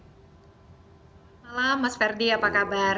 selamat malam mas ferdi apa kabar